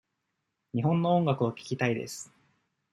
日本の音楽を聞きたいです。